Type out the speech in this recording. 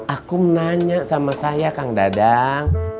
aku menanya sama saya kang dadang